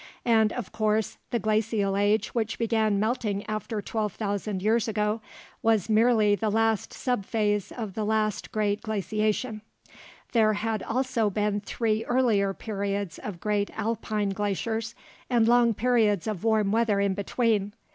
And, of course, the glacial ice which began melting after 12,000 years ago was merely the last sub phase of the last great glaciation. There had also been three earlier periods of great alpine glaciers, and long periods of warm weather in between.